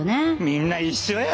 みんな一緒や！